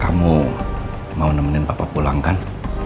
kamu mau nemenin papa pulang kan